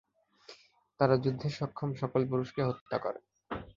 তারা যুদ্ধে সক্ষম সকল পুরুষকে হত্যা করে।